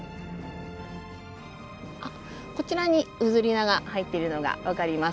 あっこちらにフズリナが入っているのがわかります。